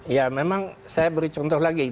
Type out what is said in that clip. ya memang saya beri contoh lagi